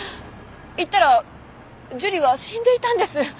行ったら樹里は死んでいたんです。